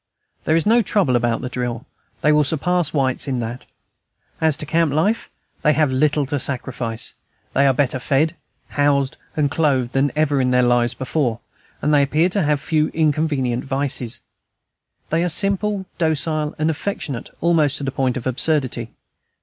There is no trouble about the drill; they will surpass whites in that. As to camp life, they have little to sacrifice; they are better fed, housed, and clothed than ever in their lives before, and they appear to have few inconvenient vices. They are simple, docile, and affectionate almost to the point of absurdity.